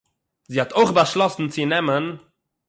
זי האָט אויך באַשלאָסן צו נעמען